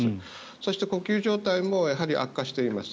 そして呼吸状態も悪化しています。